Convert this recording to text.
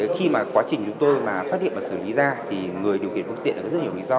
khi mà quá trình chúng tôi mà phát hiện và xử lý ra thì người điều khiển phương tiện có rất nhiều lý do